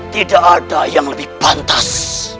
tidak ada yang lebih pantas